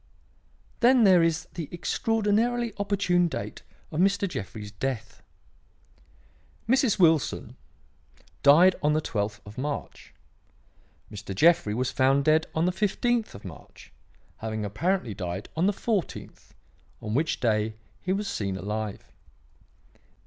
"Then there is the extraordinarily opportune date of Mr. Jeffrey's death. Mrs. Wilson died on the twelfth of March. Mr. Jeffrey was found dead on the fifteenth of March, having apparently died on the fourteenth, on which day he was seen alive.